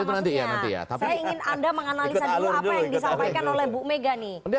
saya ingin anda menganalisa dulu apa yang disampaikan oleh bu mega nih